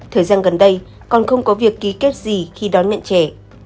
thời gian gần đây còn không có việc ký kết gì khi đón nhận trẻ